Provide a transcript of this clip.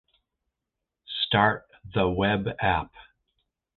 Start the web app